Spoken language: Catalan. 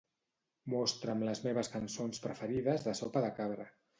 Mostra'm les meves cançons preferides de Sopa de Cabra.